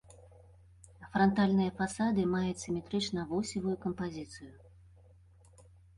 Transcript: Франтальныя фасады маюць сіметрычна-восевую кампазіцыю.